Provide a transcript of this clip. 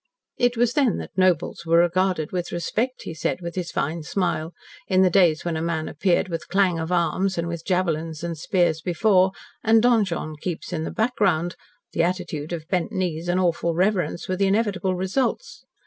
"It was then that nobles were regarded with respect," he said, with his fine smile. "In the days when a man appeared with clang of arms and with javelins and spears before, and donjon keeps in the background, the attitude of bent knees and awful reverence were the inevitable results.